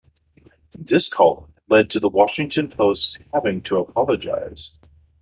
This column led to the Washington Post's having to apologize.